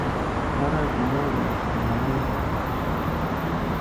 هر ګناه د نافرمانۍ نښه ده